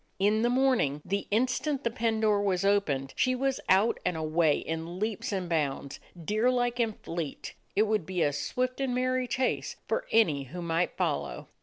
In the morning, the instant the pen door was opened, she was out and away in leaps and bounds, deer like and fleet ; it would be a swift and merry chase for any who might follow.